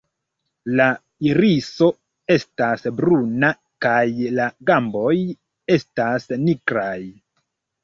La iriso estas bruna kaj la gamboj estas nigraj.